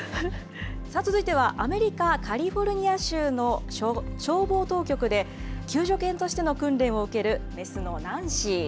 続いては、アメリカ・カリフォルニア州の消防当局で、救助犬としての訓練を受ける雌のナンシー。